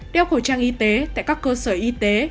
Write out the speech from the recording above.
đeo khẩu trang y tế tại các cơ sở y tế